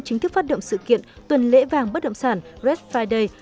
chính thức phát động sự kiện tuần lễ vàng bất động sản red friday